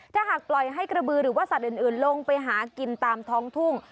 ถ้าหากปล่อยให้กระบือหรือว่าสัตว์อื่นลงไปหากินตามท้องทุ่ง